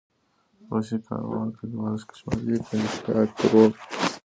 غشى ، کاروان ، کليوال ، کشمالی ، كنيشكا ، کروړ